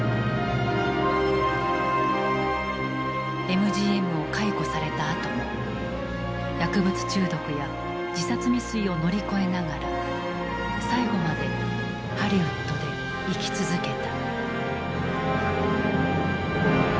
ＭＧＭを解雇されたあとも薬物中毒や自殺未遂を乗り越えながら最後までハリウッドで生き続けた。